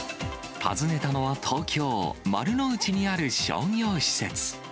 訪ねたのは、東京・丸の内にある商業施設。